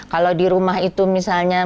kalau di rumah itu misalnya